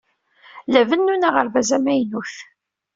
La bennun aɣerbaz amaynut.